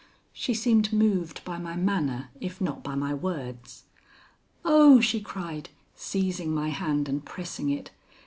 She seemed moved by my manner, if not by my words. "Oh," she cried, seizing my hand and pressing it.